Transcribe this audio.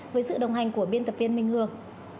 với sự đồng hành của biên tập viên minh hương